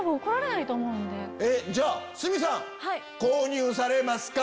じゃあ鷲見さん。